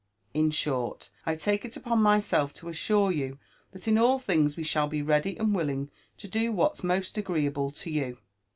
In short, 1 take it upon myself to assure you that in all things we shall be ready and willing to do what's most agreeable to you.